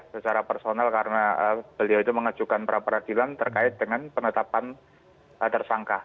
secara personal karena beliau itu mengajukan pra peradilan terkait dengan penetapan tersangka